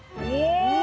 お！